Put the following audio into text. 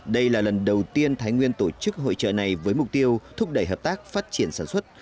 đây là lần đầu tiên thái nguyên tổ chức hội trợ này với mục tiêu thúc đẩy hợp tác phát triển sản xuất